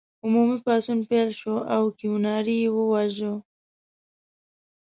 عمومي پاڅون پیل شو او کیوناري یې وواژه.